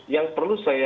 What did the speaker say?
yang perlu saya